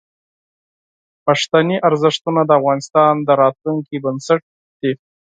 پښتني ارزښتونه د افغانستان د راتلونکي بنسټ دي.